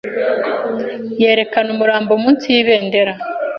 Yerekana umurambo munsi y'ibendera.